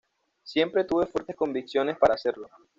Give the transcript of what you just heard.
Siempre tuve fuertes convicciones para hacerlo.